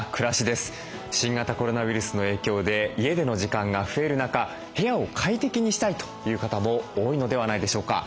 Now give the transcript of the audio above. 新型コロナウイルスの影響で家での時間が増える中部屋を快適にしたいという方も多いのではないでしょうか。